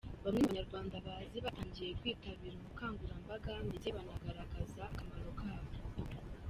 Bamwe mu banyarwanda bazwi batangiye kwitabira ubu bukangurambaga ndetse banagaragaza akamaro kabwo.